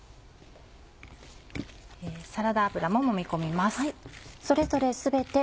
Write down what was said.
サラダ油ももみ込みます。